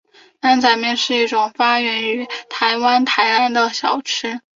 担仔面是一种发源于台湾台南的小吃。